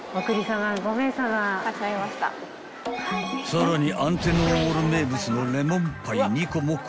［さらにアンテノール名物のレモンパイ２個も購入］